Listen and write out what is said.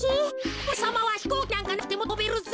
おれさまはひこうきなんかなくてもとべるぜ。